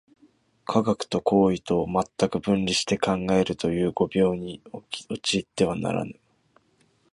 科学と行為とを全く分離して考えるという誤謬に陥ってはならぬ。